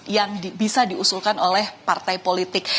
yang bisa diusulkan oleh partai politik